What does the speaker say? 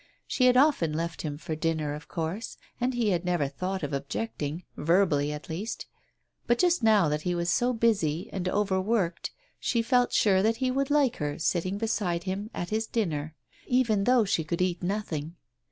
She had often left him for dinner, of course, and he had never thought of objecting, verbally at least — but just now that he was so busy and overworked she felt sure that he would like her, sitting beside him at his dinner, even though she could eat nothing.